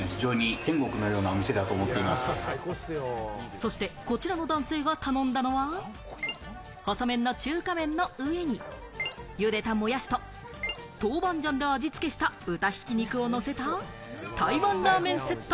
そしてこちらの男性が頼んだのは、細麺の中華麺の上に茹でたもやしと豆板醤で味付けした豚ひき肉をのせた台湾ラーメンセット。